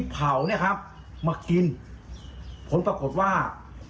ผลปรากฏว่า